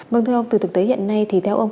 vâng thưa ông từ thực tế hiện nay thì theo ông